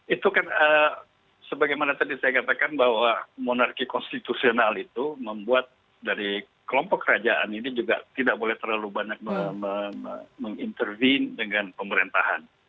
itu kan sebagaimana tadi saya katakan bahwa monarki konstitusional itu membuat dari kelompok kerajaan ini juga tidak boleh terlalu banyak mengintervene dengan pemerintahan